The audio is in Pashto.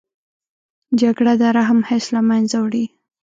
جګړه د رحم حس له منځه وړي